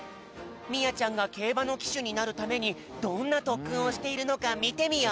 みあちゃんがけいばのきしゅになるためにどんなとっくんをしているのかみてみよう。